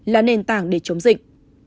là nền tảng để chống dịch